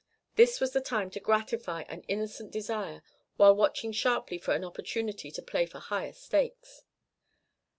This was the time to gratify an innocent desire while watching sharply for an opportunity to play for higher stakes.